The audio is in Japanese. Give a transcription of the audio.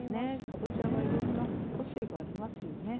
かぼちゃはいろんな個性がありますよね。